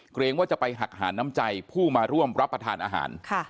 เกรงว่าจะไปหักหาน้ำใจผู้มาร่วมรับประทานอาหาร